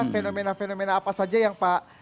fenomena fenomena apa saja yang pak